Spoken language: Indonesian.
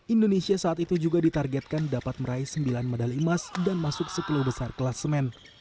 indonesia saat itu juga ditargetkan dapat meraih sembilan medali emas dan masuk sepuluh besar kelas semen